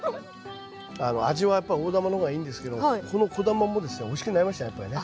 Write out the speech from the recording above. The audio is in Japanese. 味はやっぱり大玉の方がいいんですけどこの小玉もですねおいしくなりましたねやっぱりね。